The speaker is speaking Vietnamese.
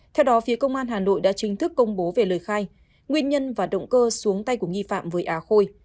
theo đó phía công an hà nội đã chính thức công bố về lời khai nguyên nhân và động cơ xuống tay của nghi phạm với á khôi